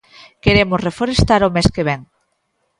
Queremos reforestar o mes que vén.